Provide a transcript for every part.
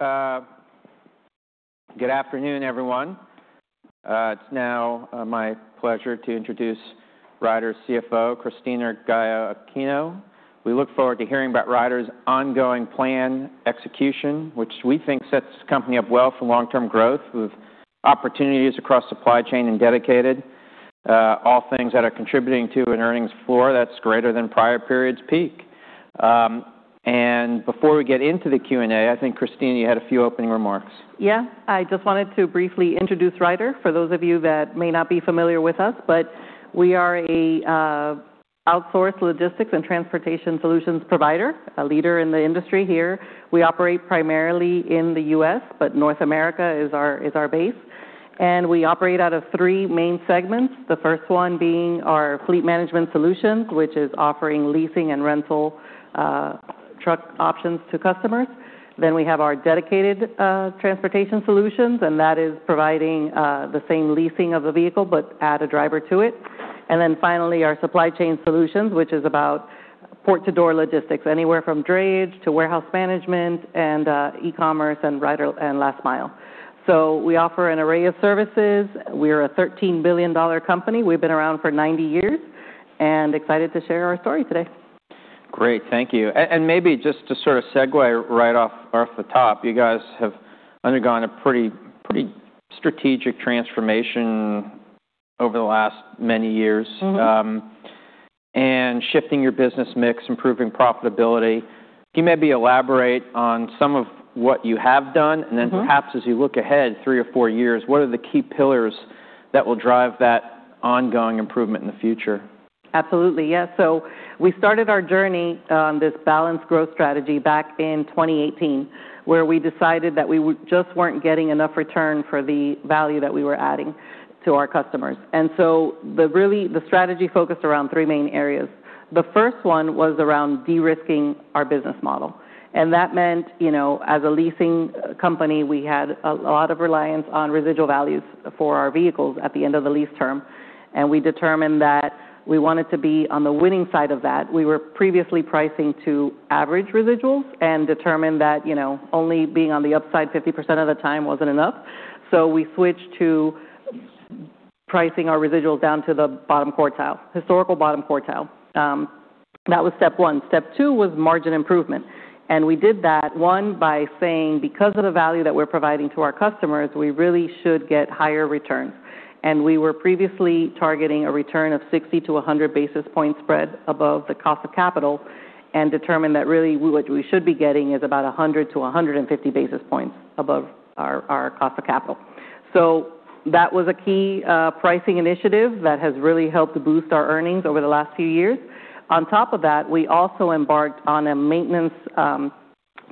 Well. Good afternoon everyone. It's now my pleasure to introduce Ryder's CFO, Cristina Gallo-Aquino. We look forward to hearing about Ryder's ongoing plan execution which we think sets the company up well for long term growth with opportunities across supply chain and dedicated all things that are contributing to an earnings floor that's greater than prior period's peak. Before we get into the Q and A, I think, Cristina, you had a few opening remarks. Yeah, I just wanted to briefly introduce Ryder. For those of you that may not be familiar with us, but we are an outsourced logistics and transportation solutions provider, a leader in the industry here. We operate primarily in the U.S., but North America is our base and we operate out of three main segments. The first one being our Fleet Management Solutions, which is offering leasing and rental truck options to customers. Then we have our Dedicated Transportation Solutions and that is providing the same leasing of the vehicle but add a driver to it. And then finally our Supply Chain Solutions, which is about port-to-door logistics anywhere from drayage to warehouse management and e-commerce and Ryder Last Mile. So we offer an array of services. We are a $13 billion company. We've been around for 90 years and excited to share our story today. Great, thank you, and maybe just to sort of segue right off the top, you guys have undergone a pretty, pretty strategic transformation over the last many years. And shifting your business mix, improving profitability. Can you maybe elaborate on some of what you have done and then perhaps as you look ahead three or four years, what are the key pillars that will drive that ongoing improvement in the future? Absolutely, yes. So we started our journey on this balanced growth strategy back in 2018, where we decided that we just weren't getting enough return for the value that we were adding to our customers. And so really the strategy focused around three main areas. The first one was around de-risking our business model. And that meant as a leasing company, we had a lot of reliance on residual values for our vehicles at the end of the lease term. And we determined that we wanted to be on the winning side of that. We were previously pricing to average residuals and determined that, you know, only being on the upside 50% of the time wasn't enough. So we switched to pricing our residuals down to the bottom quartile, historical bottom quartile. That was step one. Step two was margin improvement. And we did that one by saying, because of the value that we're providing to our customers, we really should get higher returns. And we were targeting a return of 60-100-basis-point spread above the cost of capital and determined that really what we should be getting is about 100-150 basis points above our cost of capital. So that was a key pricing initiative that has really helped boost our earnings over the last few years. On top of that, we also embarked on a maintenance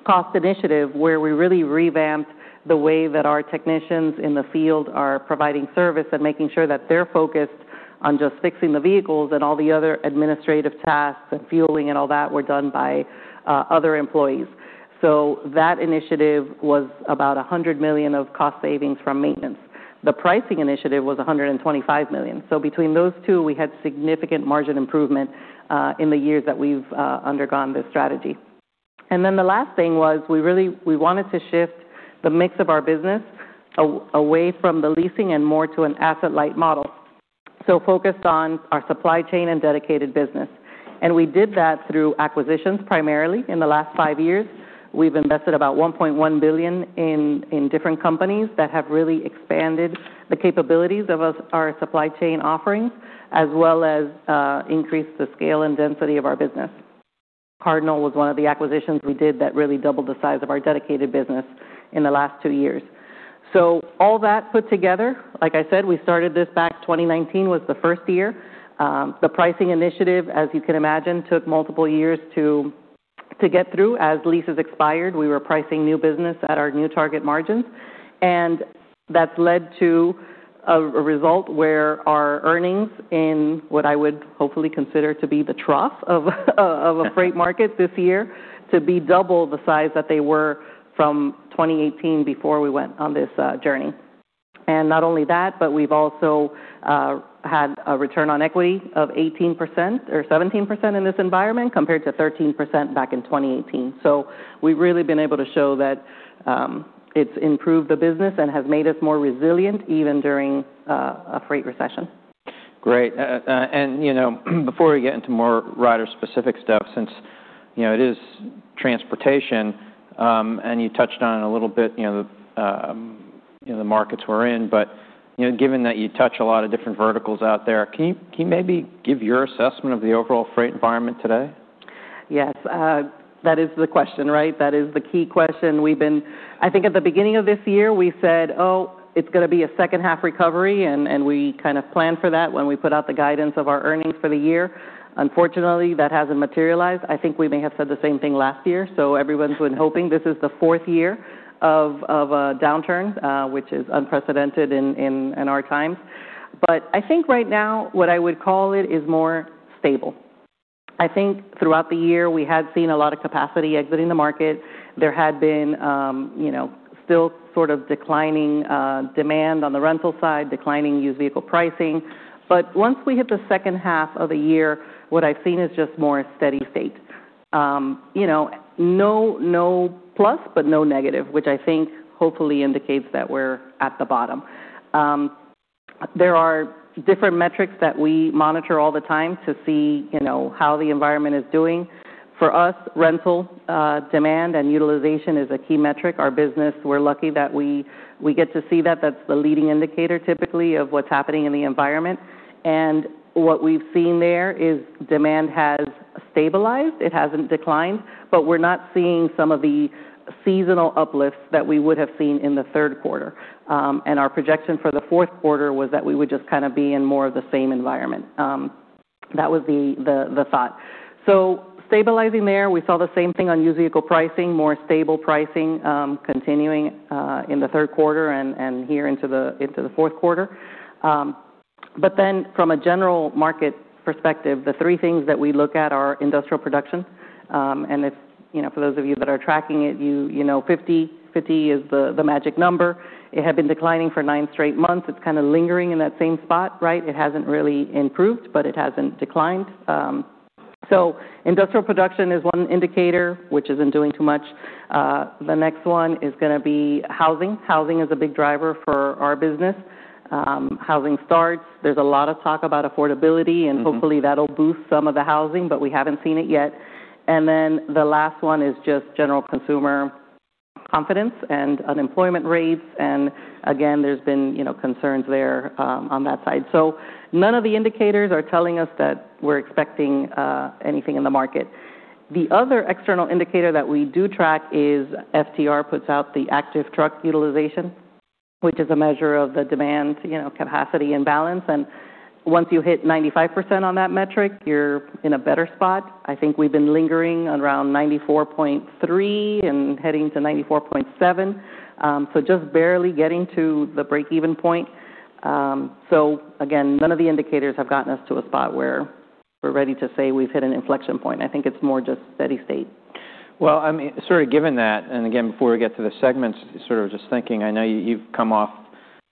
cost initiative where we really revamped the way that our technicians in the field are providing service and making sure that they're focused on just fixing the vehicles and all the other administrative tasks and fueling and all that were done by other employees. So that initiative was about $100 million of cost savings from maintenance. The pricing initiative was $125 million. So between those two, we had significant margin improvement in the years that we've undergone this strategy. And then the last thing was we really, we wanted to shift the mix of our business away from the leasing and more to an asset light model. So focused on our supply chain and dedicated business. And we did that through acquisitions primarily in the last five years, we've invested about $1.1 billion in different companies that have really expanded the capabilities of our supply chain offerings as well as increased the scale and density of our business. Cardinal was one of the acquisitions we did that really doubled the size of our dedicated business in the last two years. So all that put together, like I said, we started this back. 2019 was the first year the pricing initiative, as you can imagine, took multiple years to get through. As leases expired, we were pricing new business at our new target margins and that's led to a result where our earnings in what I would hopefully consider to be the trough of a freight market this year to be double the size that they were from 2018 before we went on this journey. And not only that, but we've also had a return on equity of 18% or 17% in this environment compared to 13% back in 2018. So we've really been able to show that it's improved the business and has made us more resilient even during a freight recession. Great. And you know, before we get into more Ryder-specific stuff, since you know it is transportation and you touched on a little bit, you know, the markets we're in. But you know, given that you touch a lot of different verticals out there, can you maybe give your assessment of the overall freight environment today? Yes, that is the question, right? That is the key question. We've been, I think, at the beginning of this year we said, oh, it's going to be a second half recovery, and we kind of planned for that when we put out the guidance of our earnings for the year. Unfortunately, that hasn't materialized. I think we may have said the same thing last year, so everyone's been hoping. This is the fourth year of a downturn, which is unprecedented in our times, but I think right now what I would call it is more stable. I think throughout the year we had seen a lot of capacity exiting the market. There had been, you know, still sort of declining demand on the rental side, declining used vehicle pricing. But once we hit the second half of the year, what I've seen is just more steady state, you know, no plus but no negative, which I think hopefully indicates that we're at the bottom. There are different metrics that we monitor all the time to see, you know, how the environment is doing. For us, rental demand and utilization is a key metric. Our business, we're lucky that we get to see that that's the leading indicator typically of what's happening in the environment. And what we've seen there is demand has stabilized, it hasn't declined, but we're not seeing some of the seasonal uplifts that we would have seen in the third quarter. And our projection for the fourth quarter was that we would just kind of be in more of the same environment. That was the thought. So stabilizing there. We saw the same thing on used vehicle pricing. More stable pricing continuing in the third quarter and here into the fourth quarter. But then from a general market perspective, the three things that we look at are industrial production, and for those of you that are tracking it, you know, 50, 50 is the magic number. It had been declining for nine straight months. It's kind of lingering in that same spot. Right. It hasn't really improved, but it hasn't declined, so industrial production is one indicator which isn't doing too much. The next one is going to be housing. Housing is a big driver for our business. Housing starts. There's a lot of talk about affordability and hopefully that'll boost some of the housing, but we haven't seen it yet, and then the last one is just general consumer confidence and unemployment rates, and again, there's been, you know, concerns there on that side. So none of the indicators are telling us that we're expecting anything in the market. The other external indicator that we do track is FTR, puts out the active truck utilization, which is a measure of the demand, capacity, and balance, and once you hit 95% on that metric, you're in a better spot, I think we've been lingering around 94.3% and heading to 94.7%, so just barely getting to the break even point, so again, none of the indicators have gotten us to a spot where we're ready to say we've hit an inflection point. I think it's more just steady state. Well, I mean, sort of given that and again, before we get to the segments. So sort of just thinking, I know you've come off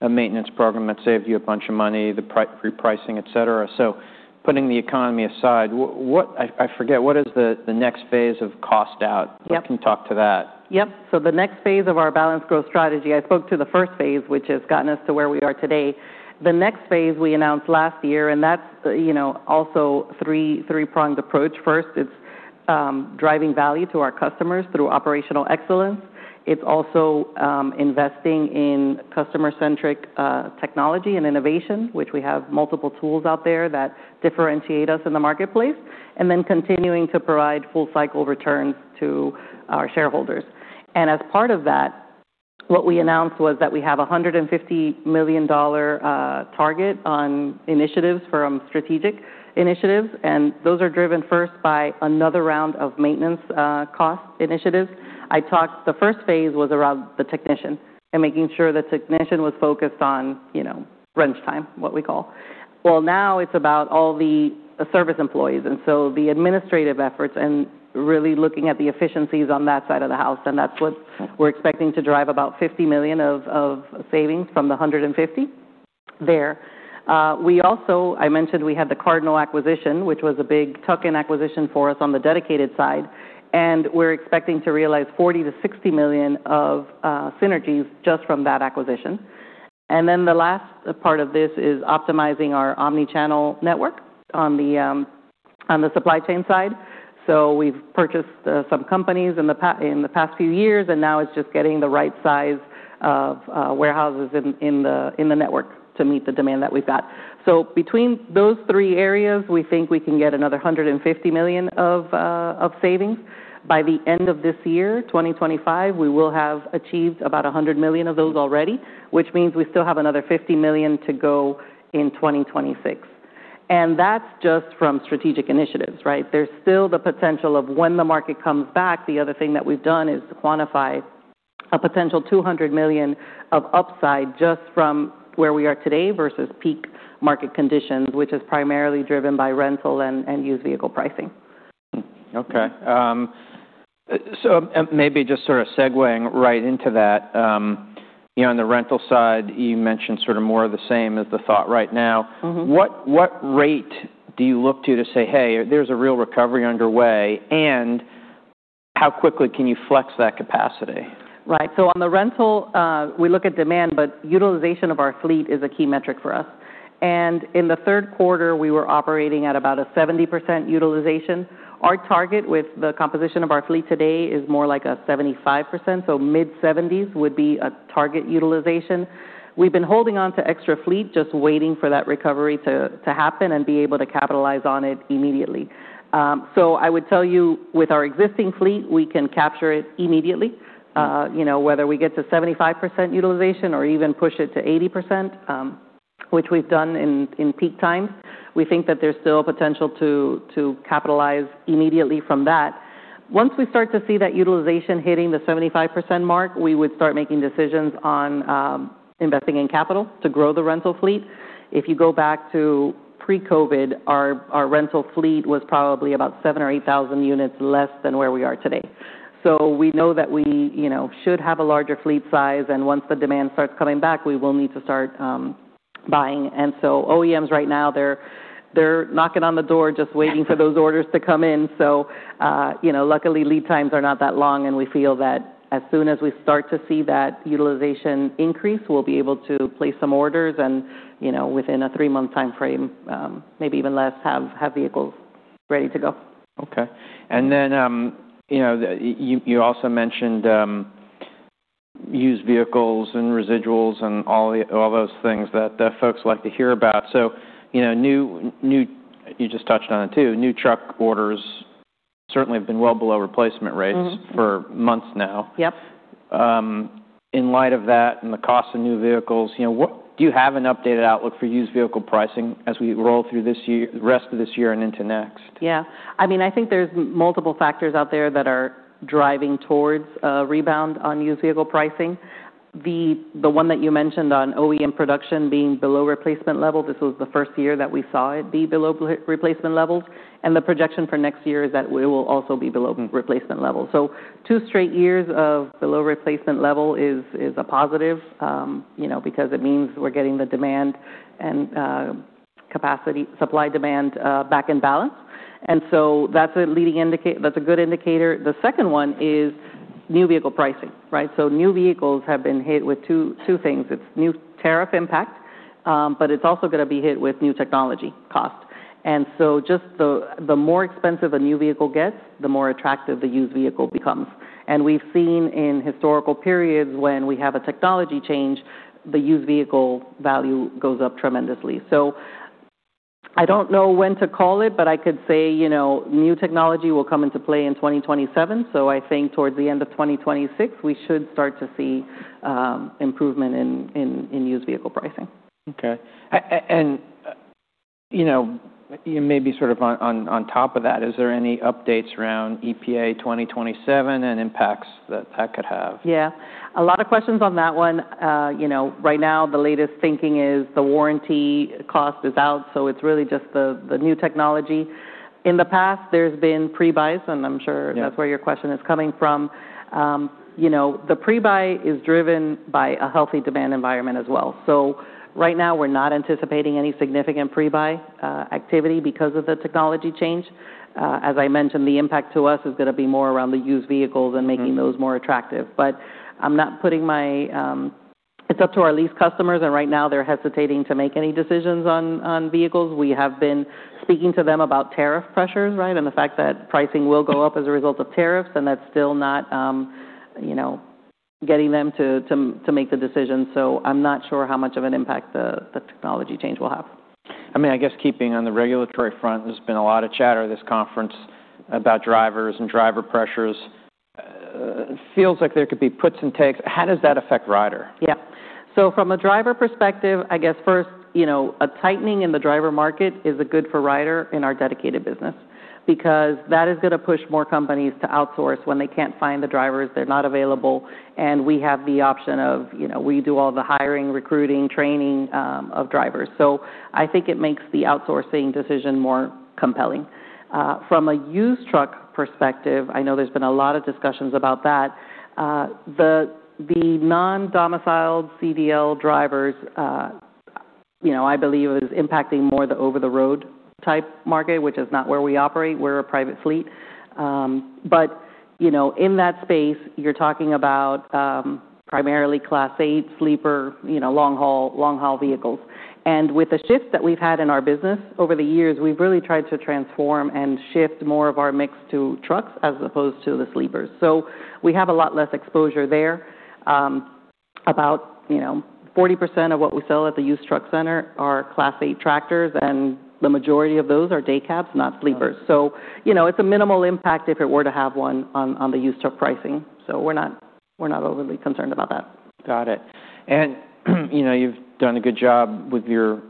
a maintenance program that saved you a bunch of money, the repricing, et cetera. So putting the economy aside, what I forget what is the next phase of cost out? Can you talk to that? Yep. So the next phase of our balanced growth strategy. I spoke to the first phase which has gotten us to where we are today. The next phase we announced last year and that's, you know, also three-pronged approach. First, it's driving value to our customers through operational excellence. It's also investing in customer-centric technology and innovation which we have multiple tools out there that differentiate us in the marketplace and then continuing to provide full-cycle returns to our shareholders. And as part of that, what we announced was that we have $150 million target on initiatives from strategic initiatives and those are driven first by another round of maintenance costs initiatives. I talked the first phase was around the technician and making sure the technician was focused on, you know, wrench time, what we call. Well now it's about all the service employees and so the administrative efforts and really looking at the efficiencies on that side of the house. And that's what we're expecting to drive about $50 million of savings from the $150 million there. We also, I mentioned we had the Cardinal acquisition, which was a big tuck-in acquisition for us on the dedicated side. And we're expecting to realize $40 million-$60 million of synergies just from that acquisition. And then the last part of this is optimizing our omnichannel network. On the supply chain side. So we've purchased some companies in the past few years, and now it's just getting the right size of warehouses in the network to meet the demand that we've got. So between those three areas, we think we can get another $150 million of savings by the end of this year. 2025, we will have achieved about $100 million of those already, which means we still have another $50 million to go in 2026. And that's just from strategic initiatives. Right. There's still the potential of when the market comes back. The other thing that we've done is quantify a potential $200 million of upside just from where we are today versus peak market conditions, which is primarily driven by rental and used vehicle pricing. Okay. So, maybe just sort of segueing right into that. You know, on the rental side you mentioned sort of more of the same as the thought right now. What rate do you look to to say, hey, there's a real recovery underway, and how quickly can you flex that capacity? Right. On the rental we look at demand, but utilization of our fleet is a key metric for us. In the third quarter we were operating at about a 70% utilization. Our target with the composition of our fleet today is more like a 75%. Mid-70s% would be a target utilization. We've been holding on to extra fleet, just waiting for that recovery to happen and be able to capitalize on it immediately. I would tell you with our existing fleet, we can capture it immediately. You know, whether we get to 75% utilization or even push it to 80%, which we've done in peak times, we think that there's still potential to capitalize immediately from that. Once we start to see that utilization hitting the 75% mark, we would start making decisions on investing in capital to grow the rental fleet. If you go back to pre-COVID, our rental fleet was probably about 7 or 8,000 units less than where we are today. So we know that we should have a larger fleet size and once the demand starts coming back, we will need to start buying, and so OEMs right now, they're knocking on the door just waiting for those orders to come in. So luckily lead times are not that long and we feel that as soon as we start to see that utilization increase, we'll be able to place some orders and you know, within a three month time frame, maybe even less, have vehicles ready to go. Okay. And then, you know, you also mentioned. Used vehicles and residuals and all those things that folks like to hear about. So, you know, new. You just touched on it too. New truck orders certainly have been well below replacement rates for months now. In light of that and the cost of new vehicles, do you have an updated outlook for used vehicle pricing as we roll through the rest of this year and into next? Yeah, I mean, I think there's multiple factors out there that are driving towards rebound on used vehicle pricing. The one that you mentioned on OEM production being below replacement level, this was the first year that we saw it be below replacement levels, and the projection for next year is that it will also be below replacement level, so two straight years of below replacement level is a positive, you know, because it means we're getting the demand and capacity, supply, demand back in balance, and so that's a leading indicator. That's a good indicator. The second one is new vehicle pricing, right? So new vehicles have been hit with two things. It's new tariff impact, but it's also going to be hit with new technology cost. And so just the more expensive a new vehicle gets, the more attractive the used vehicle becomes. We've seen in historical periods when we have a technology change, the used vehicle value goes up tremendously. I don't know when to call it, but I could say, you know, new technology will come into play in 2027. I think towards the end of 2026 we should start to see improvement in used vehicle pricing. Okay. And you know, maybe sort of on top of that, is there any updates around EPA 2027 and impacts that that could have? Yeah, a lot of questions on that one. You know, right now the latest thinking is the warranty cost is out. So it's really just the new technology. In the past there's been pre buys and I'm sure that's where your question is coming from. You know, the pre buy is driven by a healthy demand environment as well. So right now we're not anticipating any significant pre buy activity because of the technology change. As I mentioned, the impact to us is going to be more around the used vehicles and making those more attractive. But I'm not putting my. It's up to our lease customers and right now they're hesitating to make any decisions on vehicles. We have been speaking to them about tariff pressures. Right. The fact that pricing will go up as a result of tariffs and that's still not, you know, getting them to make the decision. I'm not sure how much of an impact the technology change will have. I mean, I guess keeping on the regulatory front, there's been a lot of chatter this conference about drivers and driver pressures. Feels like there could be puts and takes. How does that affect Ryder? Yeah, so from a driver perspective, I guess first, you know, a tightening in the driver market is a good for Ryder in our dedicated business because that is going to push more companies to outsource. When they can't find the drivers, they're not available. And we have the option of, you know, we do all the hiring, recruiting, training of drivers. So I think it makes the outsourcing decision more compelling from a used truck perspective. I know there's been a lot of discussions about that. The non-domiciled CDL drivers. You know, I believe is impacting more the over the road type market, which is not where we operate. We're a private fleet. But you know, in that space you're talking about primarily Class 8 sleeper, you know, long haul, long haul vehicles. And with the shift that we've had in our business over the years, we've really tried to transform and shift more of our mix to trucks as opposed to the sleepers. So we have a lot less exposure there. About you know 40% of what we sell at the used truck center are Class 8 tractors and the majority of those are day cabs, not sleepers. so you know it's a minimal impact if it were to have one on the used truck pricing. so we're not, we're not overly concerned about that. Got it. And you know, you've done a good job with your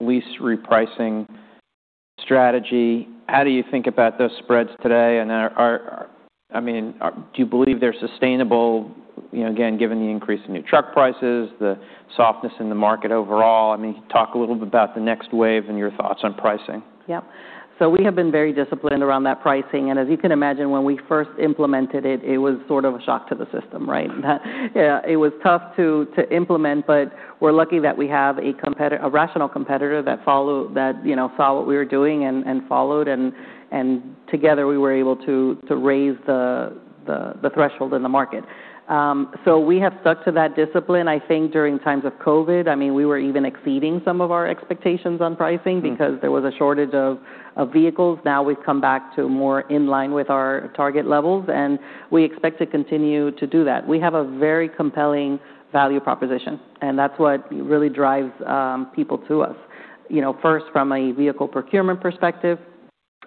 lease repricing strategy. How do you think about those spreads today, I mean, do you believe they're sustainable again, given the increase in new truck prices, the softness in the market overall? I mean, talk a little bit about the next wave and your thoughts on pricing. Yep. So we have been very disciplined around that pricing and as you can imagine, when we first implemented it, it was sort of a shock to the system. Right. It was tough to implement. But we're lucky that we have a competitor, a rational competitor that followed that, you know, saw what we were doing and followed and together we were able to raise the threshold in the market. So we have stuck to that discipline. I think during times of COVID I mean, we were even exceeding some of our expectations on pricing because there was a shortage of vehicles. Now we've come back to more in line with our target levels and we expect to continue to do that. We have a very compelling value proposition and that's what really drives people to us. You know, first from a vehicle procurement perspective,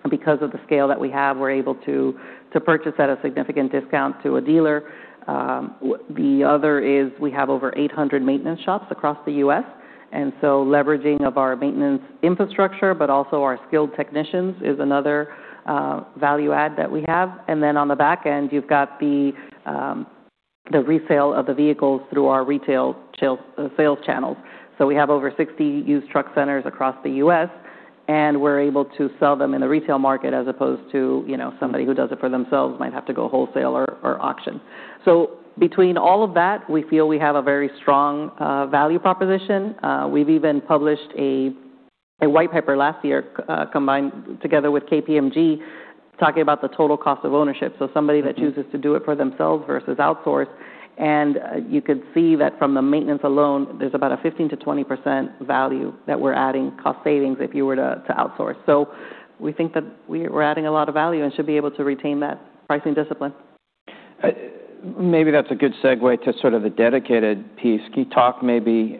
because of the scale that we have, we're able to purchase at a significant discount to a dealer. The other is we have over 800 maintenance shops across the U.S. and so leveraging of our maintenance infrastructure, but also our skilled technicians is another value add that we have. And then on the back end you've got the resale of the vehicles through our retail sales channels. So we have over 60 used truck centers across the U.S. and we're able to sell them in the retail market as opposed to, you know, somebody who does it for themselves might have to go wholesale or auction. So between all of that, we feel we have a very strong value proposition. We've even published a white paper last year combined together with KPMG talking about the total cost of ownership. So somebody that chooses to do it for themselves versus outsource. And you could see that from the maintenance alone, there's about a 15%-20% value that we're adding. Cost savings if you were to outsource. So we think that we're adding a lot of value and should be able to retain that pricing discipline. Maybe that's a good segue to sort of the dedicated piece. Can you talk maybe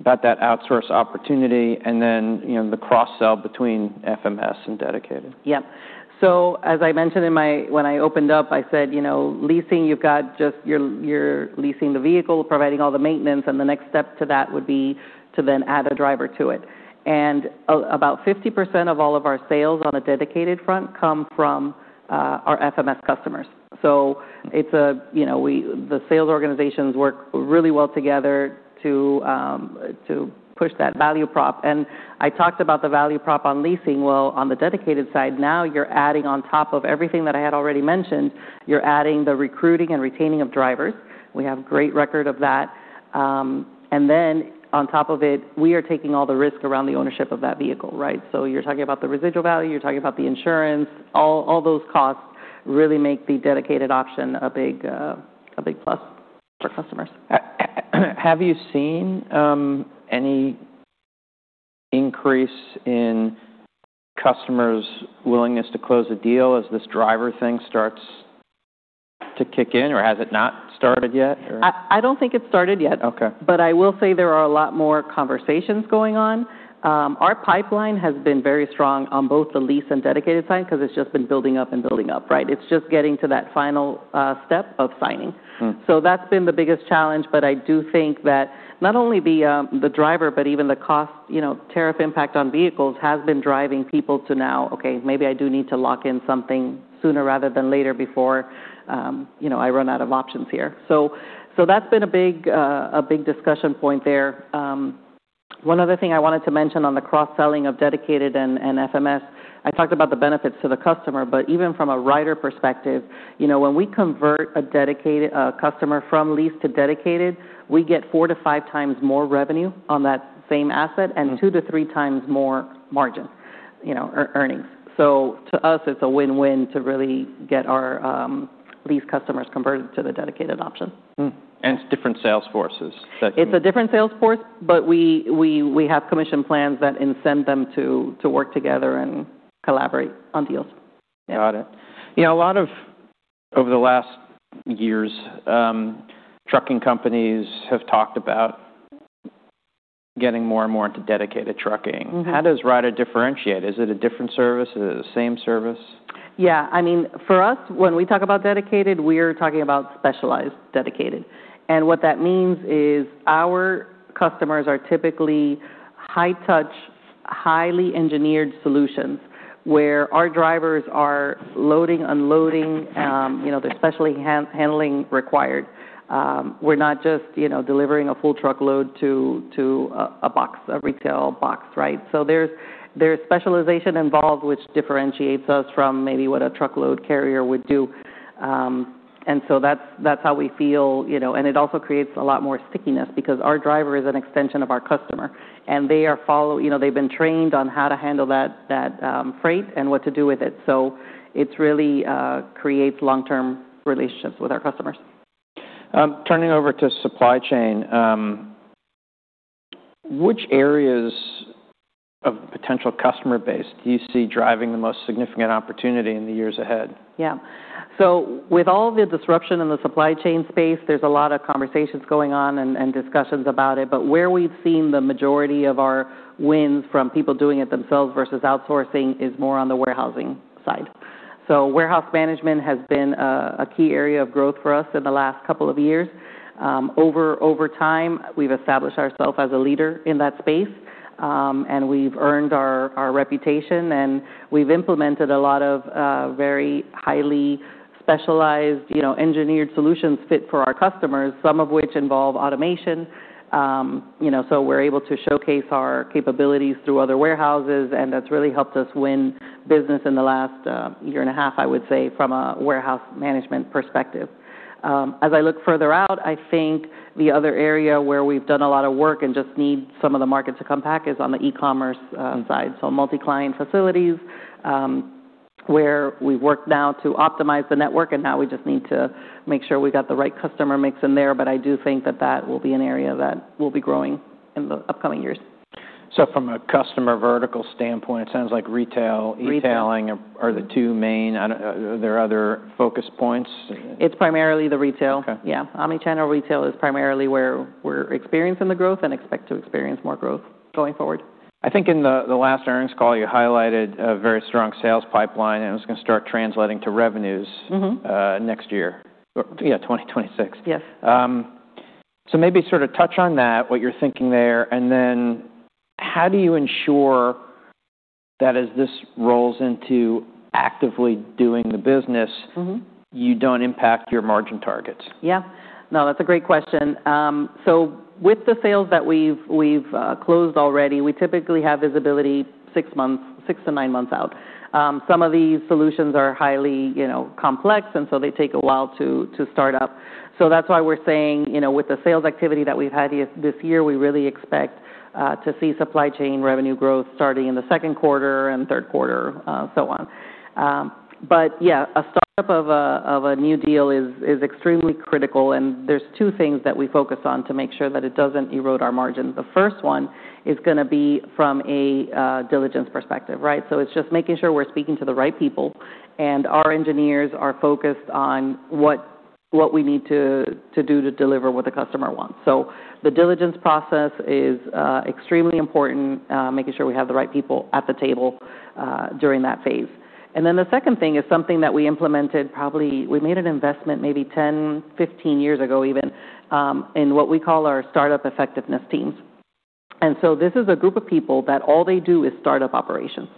about that outsource opportunity and then, you know, the cross sell between FMS and dedicated? Yep. So as I mentioned in my, when I opened up, I said, you know, leasing, you've got just your lease, you're leasing the vehicle, providing all the maintenance, and the next step to that would be to then add a driver to it, and about 50% of all of our sales on the dedicated front come from our FMS customers, so it's a, you know, we, the sales organizations work really well together to push that value prop, and I talked about the value prop on leasing, well, on the dedicated side, now you're adding, on top of everything that I had already mentioned, you're adding the recruiting and retaining of drivers. We have great record of that, and then on top of it, we are taking all the risk around the ownership of that vehicle, right, so you're talking about the residual value, you're talking about the insurance. All those costs really make the dedicated option a big plus for customers. Have you seen any? Increase in customers' willingness to close a deal as this driver thing starts to kick in, or has it not started yet? I don't think it started yet. Okay. But I will say there are a lot more conversations going on. Our pipeline has been very strong on both the lease and dedicated side because it's just been building up and building up. Right. It's just getting to that final step of signing. So that's been the biggest challenge. But I do think that not only the driver, but even the cost, you know, tariff impact on vehicles has been driving people to now, okay, maybe I do need to lock in something sooner rather than later before, you know, I run out of options here. So that's been a big, a big discussion point there. One other thing I wanted to mention. On the cross selling of dedicated and FMS, I talked about the benefits to the customer. But even from a Ryder perspective, you know, when we convert a dedicated customer from lease to dedicated, we get four to five times more revenue on that same asset and two to three times more margin earnings. So to us, it's a win-win to really get our lease customers converted to the dedicated option. It's different sales forces, it's a. Different sales force, but we have commission plans that incent them to work together and collaborate on deals. Got it. Over the last years, trucking companies have talked about. Getting more and more into dedicated trucking. How does Ryder differentiate? Is it a different service? Is it the same service? Yeah, I mean, for us, when we talk about dedicated, we are talking about specialized dedicated. And what that means is our customers are typically high touch, highly engineered solutions where our drivers are loading, unloading, you know, there's specialty handling required. We're not just, you know, delivering a full truckload to a box, a retail box. Right. So there's specialization involved which differentiates us from maybe what a truckload carrier would do. And so that's how we feel, you know. And it also creates a lot more stickiness because our driver is an extension of our customers and they are follow, you know, they've been trained on how to handle that freight and what to do with it. So it really creates long term relationships with our customers. Turning over to supply chain. Which areas. Of potential customer base do you see driving the most significant opportunity in the years ahead? Yeah, so with all the disruption in the supply chain space, there's a lot of conversations going on and discussions about it. But where we've seen the majority of our wins from people doing it themselves versus outsourcing is more on the warehousing side. So warehouse management has been a key area of growth for us in the last couple of years. Over time we've established ourselves as a leader in that space and we've earned our reputation and we've implemented a lot of very highly specialized engineered solutions fit for our customers, some of which involve automation. So we're able to showcase our capabilities through other warehouses and that's really helped us win business in the last year and a half. I would say from a warehouse management perspective, as I look further out, I think the other area where we've done a lot of work and just need some of the market to come back is on the e-commerce side. So multi-client facilities. Where we work now to optimize the network. And now we just need to make sure we got the right customer mix in there. But I do think that that will be an area that will be growing in the upcoming years. From a customer vertical standpoint, it sounds like retail, e-tailing are the two main. There are other focus points. It's primarily the retail. Yeah, omnichannel retail is primarily where we're experiencing the growth and expect to experience more growth going forward. I think in the last earnings call, you highlighted a very strong sales pipeline and it's going to start translating to revenues next year. Yeah, 2026. Yes. So maybe sort of touch on that, what you're thinking there. And then how do you ensure that as this rolls into actively doing the business, you don't impact your margin targets? Yeah, no, that's a great question. So with the sales that we've closed already, we typically have visibility six months, six to nine months out. Some of these solutions are highly complex and so they take a while to start up. So that's why we're saying with the sales activity that we've had this year, we really expect to see supply chain revenue growth starting in the second quarter and third quarter, so on. But yeah, a startup of a new deal is extremely critical. And there's two things that we focus on to make sure that it doesn't erode our margins. The first one is going to be from a diligence perspective. Right. So it's just making sure we're speaking to the right people and our engineers are focused on what we need to do to deliver what the customer wants. So the diligence process is extremely important, making sure we have the right people at the table during that phase. And then the second thing is something that we implemented, probably we made an investment maybe 10, 15 years ago even in what we call our startup effectiveness teams. And so this is a group of people that all they do is startup operations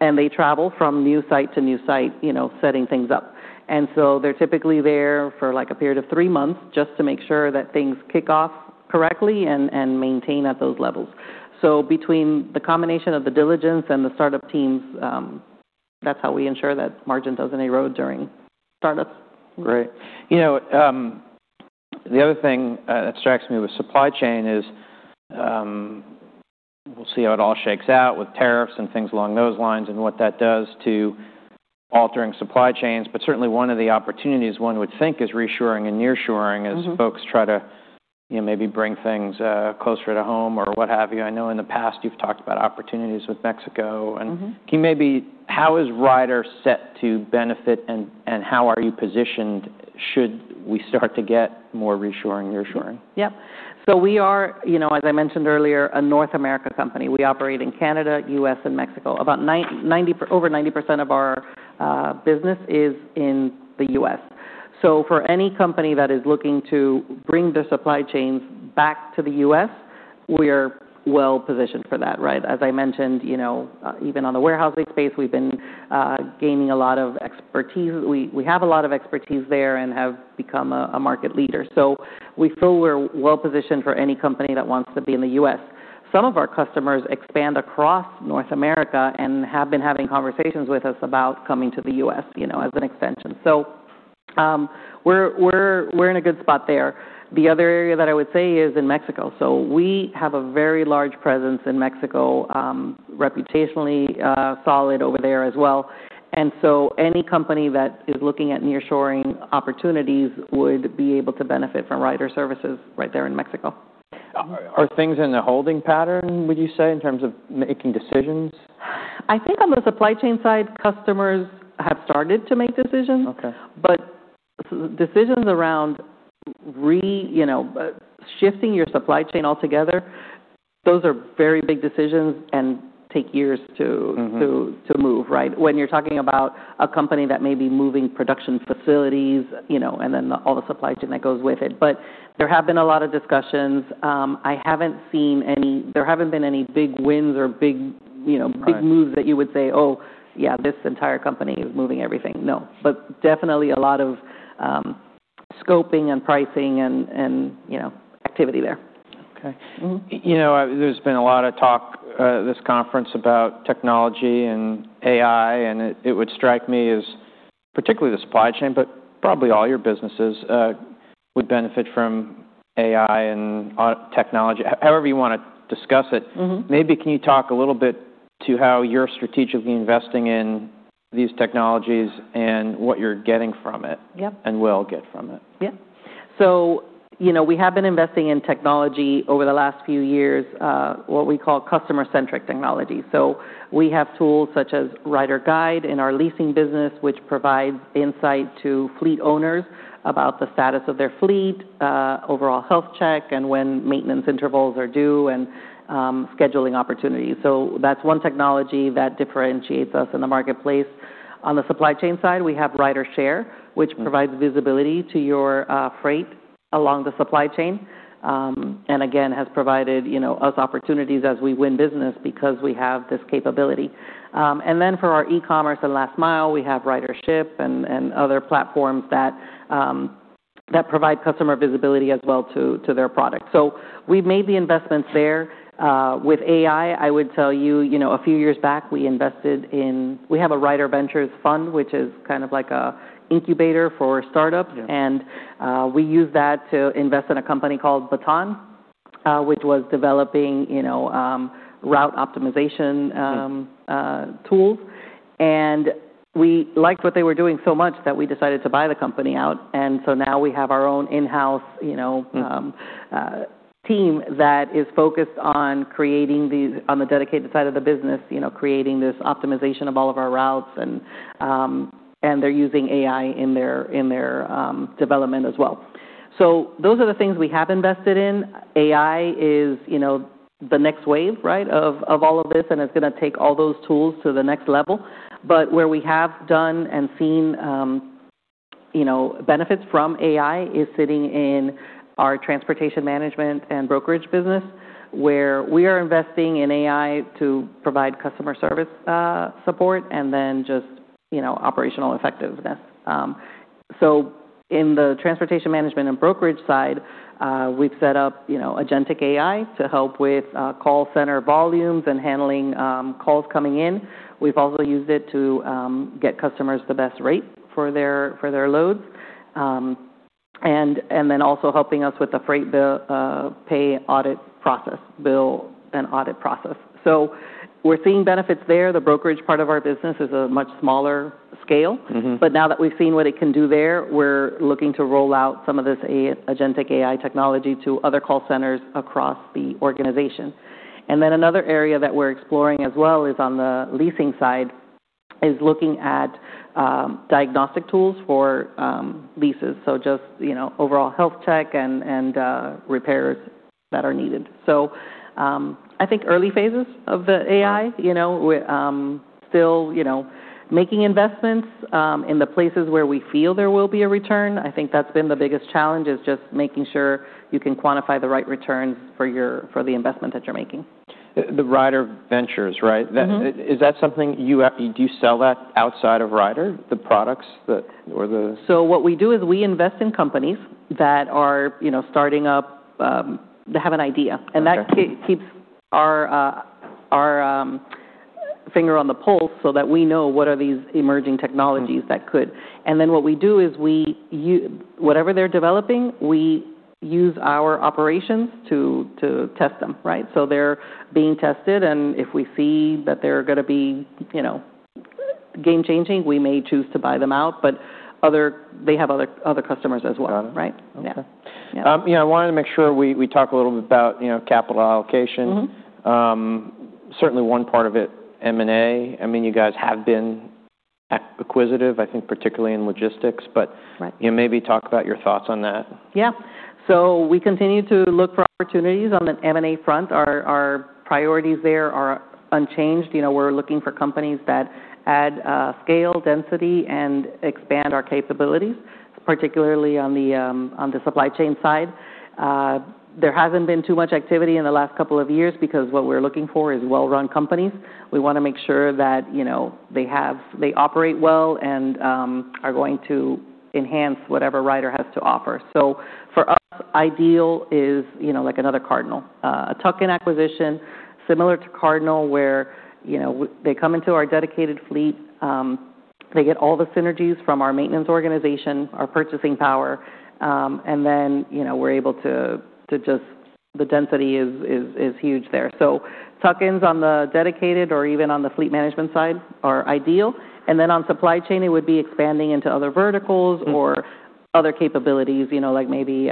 and they travel from new site to new site, you know, setting things up. And so they're typically there for like a period of three months just to make sure that things kick off correctly and maintain at those levels. So between the combination of the diligence and the startup teams, that's how we ensure that margin doesn't erode during startups. Great. You know, the other thing that strikes me with supply chain is. We'll see how it all shakes out with tariffs and things along those lines and what that does to altering supply chains. But certainly one of the opportunities one would think is reshoring and nearshoring as folks try to, you know, maybe bring things closer to home or what have you. I know in the past you've talked about opportunities with Mexico and can you maybe how is Ryder set to benefit and how are you positioned? Should we start to get more reshoring? Reshoring. Yep. So we are, you know, as I mentioned earlier, a North American company. We operate in Canada, U.S., and Mexico. Over 90% of our business is in the U.S., so for any company that is looking to bring their supply chains back to the U.S., we are well positioned for that. Right. As I mentioned, you know, even on the warehousing space, we've been gaining a lot of expertise. We have a lot of expertise there and have become a market leader. So we feel we're well positioned for any company that wants to be in the U.S. Some of our customers expand across North America and have been having conversations with us about coming to the U.S., you know, as an extension. So. We're in a good spot there. The other area that I would say is in Mexico, so we have a very large presence in Mexico, reputationally solid over there as well, and so any company that is looking at nearshoring opportunities would be able to benefit from Ryder services right there in Mexico. Are things in the holding pattern, would you say, in terms of making decisions? I think on the supply chain side, customers have started to make decisions, but decisions around. Shifting your supply chain altogether, those are very big decisions and take years to move. Right. When you're talking about a company that may be moving production facilities and then all the supply chain that goes with it. But there have been a lot of discussions. I haven't seen any. There haven't been any big wins or big moves that you would say, oh yeah, this entire company is moving everything. No, but definitely a lot of scoping and pricing and activity there. Okay. You know, there's been a lot of talk at this conference about technology and AI, and it would strike me as particularly the supply chain, but probably all your businesses would benefit from AI and technology. However you want to discuss it, maybe can you talk a little bit to how you're strategically investing in these technologies and what you're getting from it and will get from it. Yeah. So, you know, we have been investing in technology over the last few years, what we call customer-centric technology. So we have tools such as RyderGyde in our leasing business, which provides insight to fleet owners about the status of their fleet, overall health check and when maintenance intervals are due, and scheduling opportunities. So that's one technology that differentiates us in the marketplace. On the supply chain side, we have RyderShare, which provides visibility to your freight along the supply chain, and again has provided us opportunities as we win business because we have this capability. And then for our E-commerce and last mile, we have RyderShip and other platforms that provide customer visibility as well to their product. So we've made the investments there with AI. I would tell you a few years back we invested, we have a RyderVentures fund which is kind of like an incubator for startups. And we use that to invest in a company called Baton which was developing route optimization. Tools. And we liked what they were doing so much that we decided to buy the company out. And so now we have our own in house. Team that is focused on creating, on the dedicated side of the business, creating this optimization of all of our routes, and they're using AI in their development as well, so those are the things we have invested in. AI is, you know, the next wave. Right. Of all of this. And it's going to take all those tools to the next level. But where we have done and seen, you know, benefits from AI is sitting in our transportation management and brokerage business where we are investing in AI to provide customer service support and then just, you know, operational effectiveness. So in the transportation management and brokerage side we've set up, you know, agentic AI to help with call center volumes and handling calls coming in. We've also used it to get customers the best rate for their loads and then also helping us with the freight bill pay, audit process, bill and audit process. So we're seeing benefits there. The brokerage part of our business is a much smaller scale, but now that we've seen what it can do there, we're looking to roll out some of this agentic AI technology to other call centers across the organization. And then another area that we're exploring as well is on the leasing side looking at diagnostic tools for leases. So just you know, overall health check and repairs that are needed. So I think early phases of the AI, you know, still, you know, making investments in the places where we feel there will be a return. I think that's been the biggest challenge is just making sure you can quantify the right returns for the investment that you're making. The RyderVentures. Right. Is that something you have to do? You sell that outside of Ryder, the products that or the. So what we do is we invest in companies that are, you know, starting up. They have an idea and that keeps our finger on the pulse so that we know what are these emerging technologies that could. And then what we do is we, whatever they're developing, we use our operations to test them. Right. So they're being tested and if we see that they're going to be, you know, game changing, we may choose to buy them out. But others, they have other customers as well. Right. I wanted to make sure we talk a little bit about capital allocation. Certainly one part of it, M&A. I mean, you guys have been acquisitive, I think, particularly in logistics. But maybe talk about your thoughts on that. Yeah. So we continue to look for opportunities on the M&A front. Our priorities there are unchanged. You know, we're looking for companies that add scale, density and expand our capabilities. Particularly on the supply chain side. There hasn't been too much activity in the last couple of years because what we're looking for is well-run companies. We want to make sure that, you know, they have, they operate well and are going to enhance whatever Ryder has to offer. So for us, ideal is, you know, like another Cardinal, a tuck-in acquisition similar to Cardinal, where, you know, they come into our dedicated fleet, they get all the synergies from our maintenance organization, our purchasing power and then, you know, we're able to just. The density is huge there. So tuck-ins on the dedicated or even on the fleet management side are ideal. Then, on supply chain, it would be expanding into other verticals or other capabilities, you know, like maybe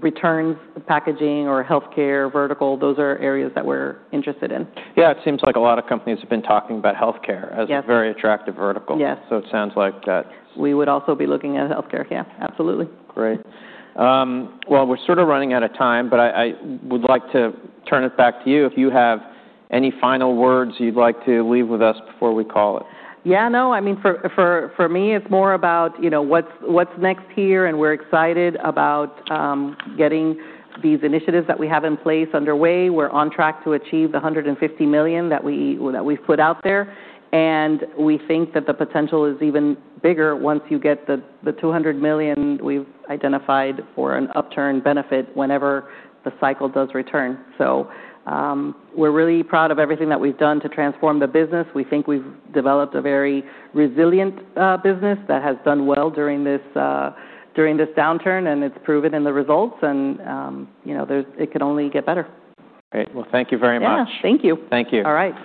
returns, packaging or healthcare vertical. Those are areas that we're interested in. Yeah. It seems like a lot of companies have been talking about healthcare as a very attractive vertical. Yes. So it sounds like that we would. Also be looking at healthcare. Yeah, absolutely. Great. Well, we're sort of running out of time, but I would like to turn it back to you, if you have any final words you'd like to leave with us before we call it. Yeah, no, I mean, for me it's more about what's next here and we're excited about getting these initiatives that we have in place underway. We're on track to achieve the $150 million that we've put out there and we think that the potential is even bigger once you get the $200 million we've identified for an upturn benefit whenever the cycle does return. So we're really proud of everything that we've done to transform the business. We think we've developed a very resilient business that has done well during this downturn and it's proven in the results and it can only get better. Thank you very much. Thank you. Thank you. All right.